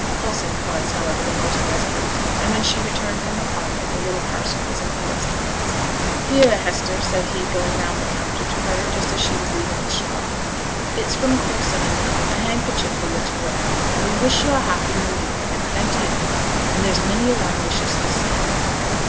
Coulson was, however, the most resolute; and when she returned from the parlour the little parcel was in Philip's hands. 'Here, Hester,' said he, going round the counter to her, just as she was leaving the shop. 'It's from Coulson and me; a handkerchief for yo' to wear; and we wish yo' a happy New Year, and plenty on 'em; and there's many a one wishes the same.'